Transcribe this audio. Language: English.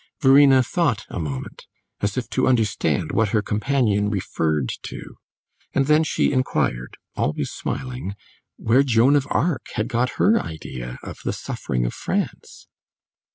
Verena thought a moment, as if to understand what her companion referred to, and then she inquired, always smiling, where Joan of Arc had got her idea of the suffering of France.